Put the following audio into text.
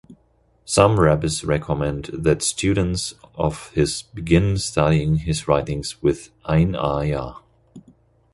Some rabbis recommend that students of his begin studying his writings with "Ein Ayah".